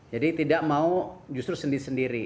jadi tidak mau justru sendiri sendiri